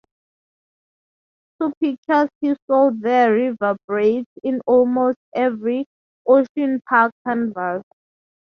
Two pictures he saw there reverberate in almost every "Ocean Park" canvas.